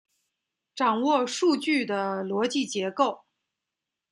掌握数据的逻辑结构